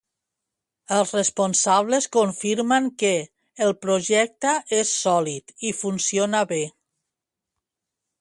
Els responsables confirmen que el projecte és sòlid i funciona bé.